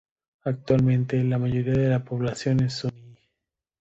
Actualmente, la mayoría de la población es sunní.